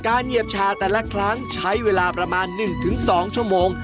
เหยียบชาแต่ละครั้งใช้เวลาประมาณ๑๒ชั่วโมง